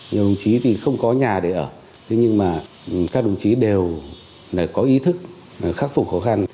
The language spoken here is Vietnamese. nhiều đồng chí thì không có nhà để ở thế nhưng mà các đồng chí đều có ý thức khắc phục khó khăn